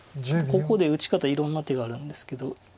ここで打ち方いろんな手があるんですけど。